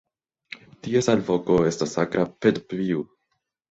Ties alvoko estas akra "pit-piu".